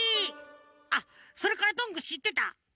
あっそれからどんぐーしってた？